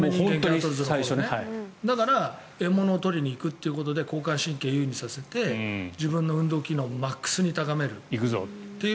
だから獲物を取りに行くということで交感神経を優位にさせて自分の運動能力をマックスにさせる。